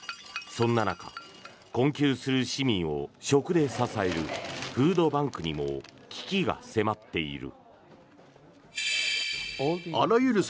そんな中困窮する市民を食で支えるフードバンクにも危機が迫っている。